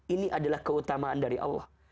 ini adalah keutamaan dari allah